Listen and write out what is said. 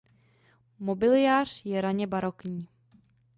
Mobiliář je raně barokní.